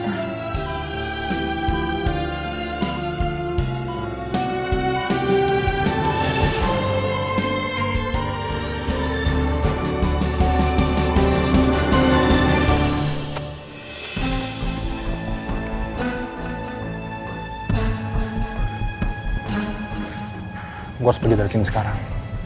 aku harus pergi dari sini sekarang